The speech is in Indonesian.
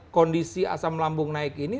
kondisi asam lambung naik ini